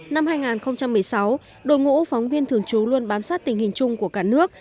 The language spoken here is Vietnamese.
năm hai nghìn một mươi sáu đội ngũ phóng viên thường trú luôn bám sát tình hình chung của cả nước